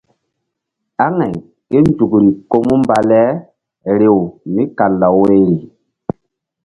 Amay ké nzukri ko mu mba le rew mí kal law woyri.